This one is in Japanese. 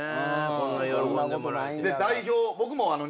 こんな喜んでもらえて。